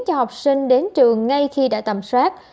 cho học sinh đến trường ngay khi đã tầm soát